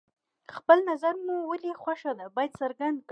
خپل نظر مو ولې خوښه ده باید څرګند کړئ.